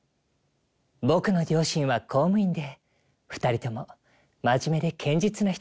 僕の両親は公務員で２人とも真面目で堅実な人たちだった。